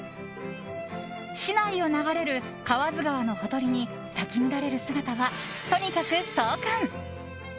市内を流れる河津川のほとりに咲き乱れる姿はとにかく壮観！